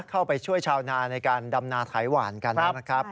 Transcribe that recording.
เข้าไปช่วยชาวนาในการดำนาไถหวานกันนะครับ